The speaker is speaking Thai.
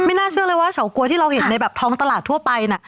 น่าเชื่อเลยว่าเฉาก๊วยที่เราเห็นในแบบท้องตลาดทั่วไปน่ะ